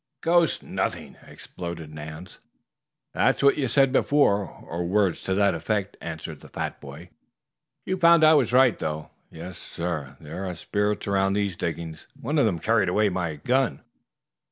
"Ghost nothing!" exploded Nance. "That's what you said before, or words to that effect," answered the fat boy. "You found I was right, though. Yes, sir, there are spirits around these diggings. One of them carried away my gun."